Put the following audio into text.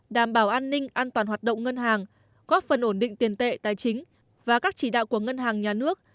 đảm bảo an ninh an toàn hoạt động ngân hàng góp phần ổn định tiền tệ tài chính và các chỉ đạo của ngân hàng nhà nước